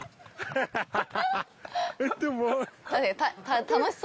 ハハハハ！